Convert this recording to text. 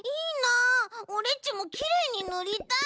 オレっちもきれいにぬりたい！